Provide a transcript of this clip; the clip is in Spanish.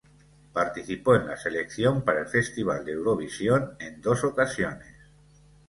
Participó en la selección para el Festival de Eurovisión en dos ocasiones.